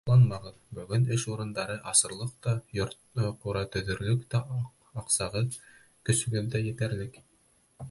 Аҡланмағыҙ: бөгөн эш урындары асырлыҡ та, йорт-ҡура төҙөрлөк тә аҡсағыҙ, көсөгөҙ етерлек.